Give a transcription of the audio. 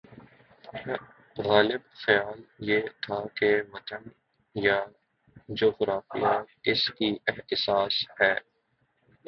غالب خیال یہ تھا کہ وطن یا جغرافیہ اس کی اساس ہے۔